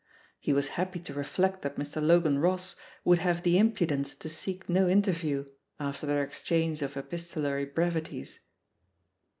He was happy to reflect that Mr. Logan Ross would have the impudence to seek no inter view, after their exchange of epistolary brevities.